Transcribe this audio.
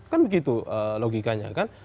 kan begitu logikanya kan